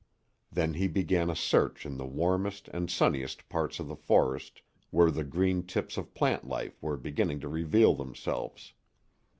Then he began a search in the warmest and sunniest parts of the forest, where the green tips of plant life were beginning to reveal themselves.